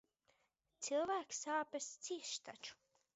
Cilvēki sāpes cieš taču.